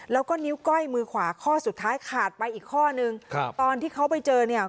แล้วก็นิ้วก้อยมือขวาข้อสุดท้ายขาดไปอีกข้อนึงครับตอนที่เขาไปเจอเนี่ย